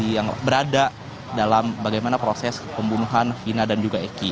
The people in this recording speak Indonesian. yang berada dalam bagaimana proses pembunuhan vina